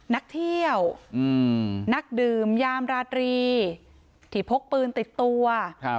นักเที่ยวนักดื่มยามราตรีที่พกปืนติดตัว